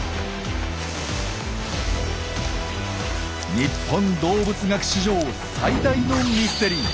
日本動物学史上最大のミステリー。